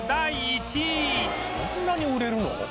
そんなに売れるの？